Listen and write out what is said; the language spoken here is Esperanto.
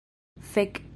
Fek'...